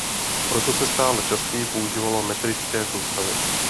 Proto se stále častěji používalo metrické soustavy.